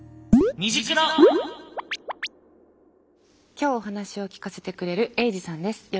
今日お話を聞かせてくれるエイジさんです。